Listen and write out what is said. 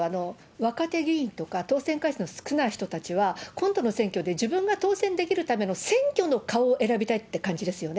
若手議員とか、当選回数の少ない人たちは、今度の選挙で自分が当選できるための選挙の顔を選びたいって感じですよね。